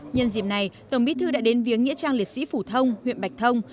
nhân dịp này tổng bí thư đã đến viếng nghĩa trang liệt sĩ phủ thông huyện bạch thông